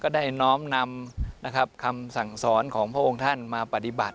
ได้น้อมนำคำสั่งสอนของพระองค์ท่านมาปฏิบัติ